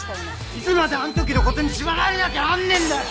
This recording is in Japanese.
いつまであの時の事に縛られなきゃなんねえんだよ！